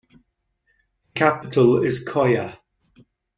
The capital is Coyah.